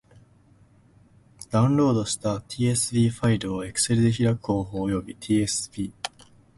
ダウンロードした tsv ファイルを Excel で開く方法及び tsv ...